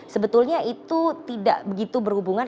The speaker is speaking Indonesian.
sebetulnya itu tidak begitu berhubungan